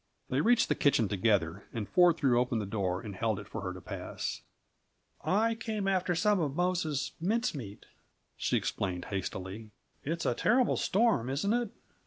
They reached the kitchen together, and Ford threw open the door, and held it for her to pass. "I came after some of Mose's mince meat," she explained hastily. "It's a terrible storm, isn't it?